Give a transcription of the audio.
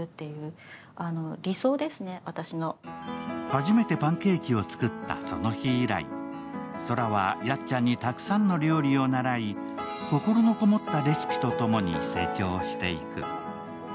初めてパンケーキを作ったその日以来、宙はやっちゃんにたくさんの料理を習い心のこもったレシピと共に成長していく。